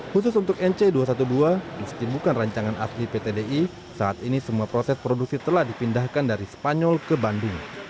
khusus untuk nc dua ratus dua belas meski bukan rancangan asli pt di saat ini semua proses produksi telah dipindahkan dari spanyol ke bandung